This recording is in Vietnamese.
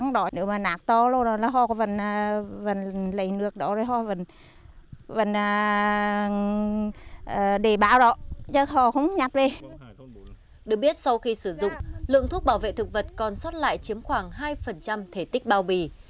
được biết sau khi sử dụng lượng thuốc bảo vệ thực vật còn sót lại chiếm khoảng hai thể tích bao bì